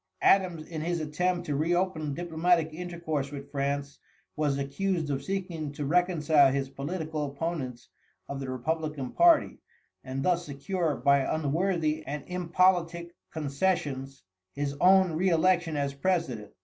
Adams, in his attempt to reopen diplomatic intercourse with France, was accused of seeking to reconcile his political opponents of the Republican party, and thus secure by unworthy and impolitic concessions, his own re election as president.